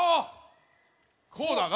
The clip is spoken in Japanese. こうだな？